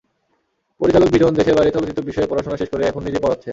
পরিচালক বিজন দেশের বাইরে চলচ্চিত্র বিষয়ে পড়াশোনা শেষ করে এখন নিজেই পড়াচ্ছেন।